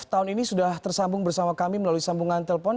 tahun ini sudah tersambung bersama kami melalui sambungan telepon